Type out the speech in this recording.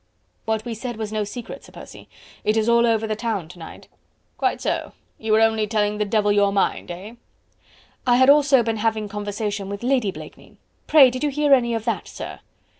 "What we said was no secret, Sir Percy. It is all over the town to night." "Quite so... you were only telling the devil your mind... eh?" "I had also been having conversation with Lady Blakeney.... Pray did you hear any of that, sir?"